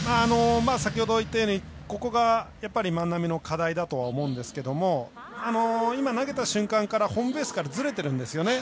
先ほど言ったようにここが万波の課題だとは思うんですけども今、投げた瞬間からホームベースからずれてるんですよね。